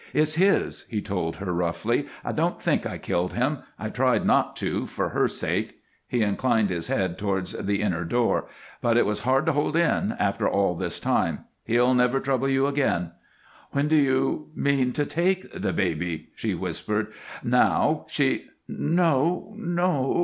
"It's his," he told her, roughly. "I don't think I killed him. I tried not to, for her sake." He inclined his head toward the inner door. "But it was hard to hold in, after all this time. He'll never trouble you again." "When do you mean to take the baby?" she whispered. "Now She " "No, no!